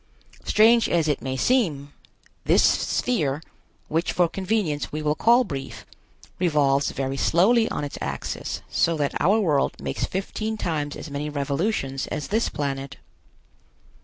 Strange as it may seem, this sphere, which for convenience we will call Brief, revolves very slowly on its axis, so that our world makes fifteen times as many revolutions as this planet.